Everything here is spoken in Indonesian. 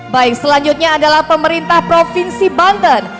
baik selanjutnya adalah pemerintah provinsi banten